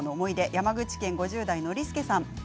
山口県５０代の方からです。